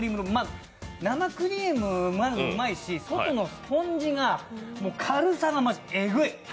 生クリーム、まず、うまいし外のスポンジが軽さがマジえぐい。